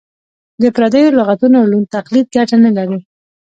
د پردیو لغتونو ړوند تقلید ګټه نه لري.